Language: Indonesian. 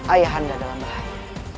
ayah hande dalam bahaya